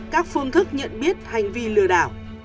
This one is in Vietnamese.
các phương thức nhận biết hành vi lừa đảo